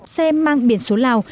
xe mang biển số lào